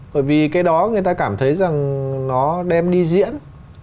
bởi vì cái đó người ta cảm thấy rằng nó đem đi diễn